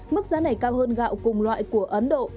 mức giá này cao hơn gạo cùng loại của ấn độ bốn mươi tám